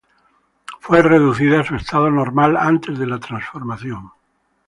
Fue reducida a su estado normal, antes de la transformación.